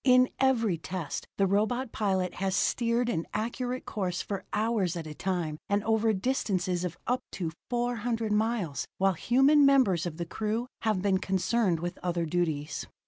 In every test the robot pilot has steered an accurate course for hours at a time and over distances up to 400 miles while human members of the crew have been concerned with other duties.